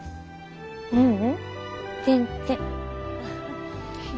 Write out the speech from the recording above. ううん全然。